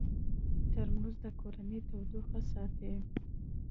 ترموز د کورنۍ تودوخه ساتي.